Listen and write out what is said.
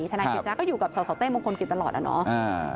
นายกฤษณะก็อยู่กับสสเต้มงคลกิจตลอดอะเนาะ